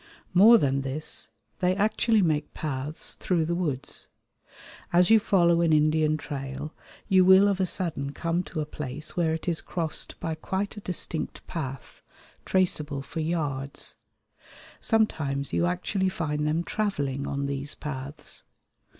More than this, they actually make paths through the woods. As you follow an Indian trail you will of a sudden come to a place where it is crossed by quite a distinct path, traceable for yards. Sometimes you actually find them travelling on these paths.